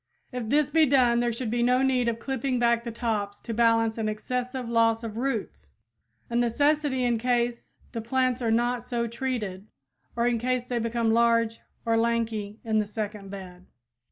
If this be done there should be no need of clipping back the tops to balance an excessive loss of roots, a necessity in case the plants are not so treated, or in case they become large or lanky in the second bed.